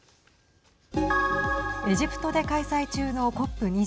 エジプトで開催中のＣＯＰ２７。